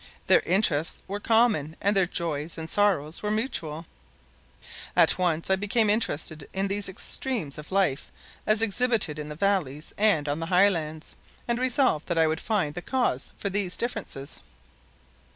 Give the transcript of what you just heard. Their interests were common, and their joys and sorrows were mutual. At once I became interested in these extremes of life as exhibited in the valleys and on the highlands, and resolved that I would find the cause for these differences.